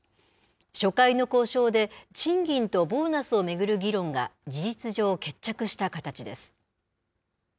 初回の交渉で、賃金とボーナスを巡る議論が事実上、決着した形です。